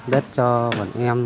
đất cho bọn em